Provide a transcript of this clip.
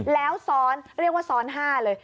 แล้วซ้อนเรียกว่าซ้อน๕เลย